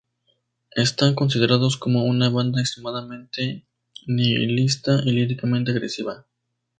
Están considerados como una banda extremadamente nihilista y líricamente agresiva.